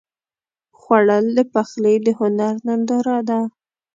خوړل د پخلي د هنر ننداره ده